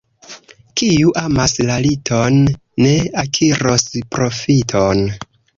Kiu amas la liton, ne akiros profiton.